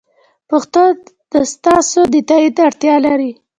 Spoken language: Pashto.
پښتو د تاسو د تایید اړتیا لري.